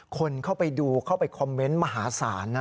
คนเข้าไปดูเข้าไปคอมเมนต์มหาศาลนะ